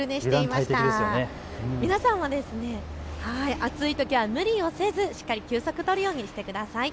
暑いときは無理をせずしっかりと休息を取るようにしてください。